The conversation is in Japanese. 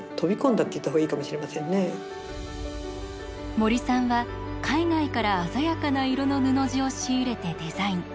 森さんは海外から鮮やかな色の布地を仕入れてデザイン。